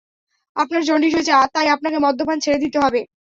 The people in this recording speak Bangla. আপনার জন্ডিস হয়েছে তাই আপনাকে মদ্যপান ছেড়ে দিতে হবে।